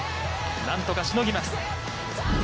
なんとかしのぎます。